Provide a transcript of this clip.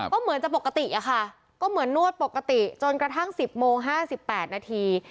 ก็เหมือนจะปกติอะค่ะก็เหมือนนวดปกติจนกระทั่ง๑๐โมง๕๘นาที